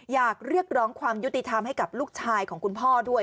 อยากเรียกร้องความยุติธรรมให้กับลูกชายของคุณพ่อด้วย